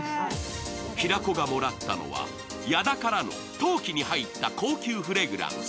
平子がもらったのは、矢田からの陶器に入った高級フレグランス。